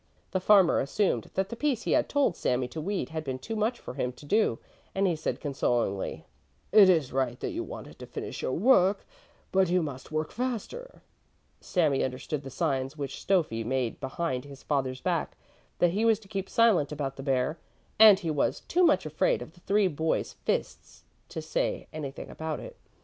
The farmer assumed that the piece he had told Sami to weed had been too much for him to do, and he said consolingly: "It is right that you wanted to finish your work, but you must work faster." Sami understood the signs which Stöffi made behind his father's back, that he was to keep silent about the bear, and he was too much afraid of the three boys' fists to say anything about it.